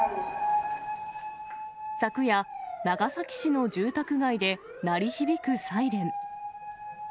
昨夜、長崎市の住宅街で鳴り響くサイレン。